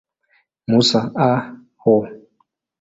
Musa, A. O.